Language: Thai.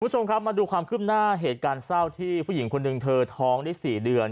คุณผู้ชมครับมาดูความขึ้นหน้าเหตุการณ์เศร้าที่ผู้หญิงคนหนึ่งเธอท้องได้๔เดือน